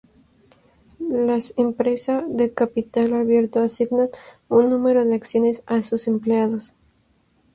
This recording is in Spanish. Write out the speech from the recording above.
Las empresa de capital abierto asignan un número de acciones a sus empleados.